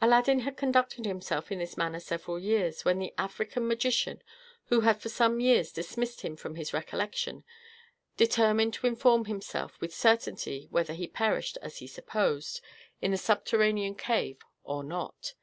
Aladdin had conducted himself in this manner several years, when the African magician, who had for some years dismissed him from his recollection, determined to inform himself with certainty whether he perished, as he supposed, in the subterranean cave or not.